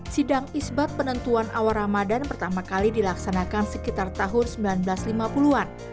sidang isbat penentuan awal ramadan pertama kali dilaksanakan sekitar tahun seribu sembilan ratus lima puluh an